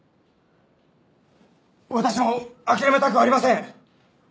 私も諦めたくありません！